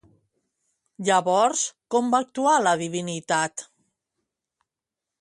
Llavors, com va actuar la divinitat?